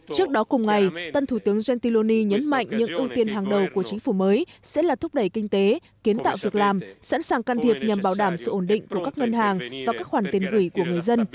trước đó cùng ngày tân thủ tướng jentiloni nhấn mạnh những ưu tiên hàng đầu của chính phủ mới sẽ là thúc đẩy kinh tế kiến tạo việc làm sẵn sàng can thiệp nhằm bảo đảm sự ổn định của các ngân hàng và các khoản tiền gửi của người dân